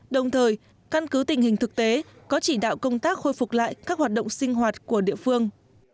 đồng thời căn cứ tình hình thực tế có chỉ đạo công tác khôi phục lại các hoạt động sinh hoạt của địa phương